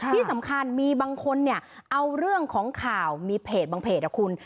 ที่สำคัญมีบางคนเอาเรื่องของข่าวมีเพจบางเพจ